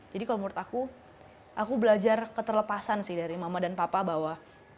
jadi kalau menurut aku aku belajar keterlepasan sih dari mama dan papa bahwa